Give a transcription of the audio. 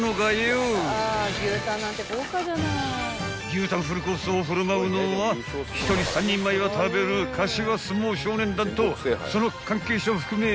［牛タンフルコースを振る舞うのは１人３人前は食べる柏相撲少年団とその関係者を含め］